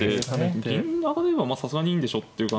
銀上がればまあさすがにいいんでしょっていう。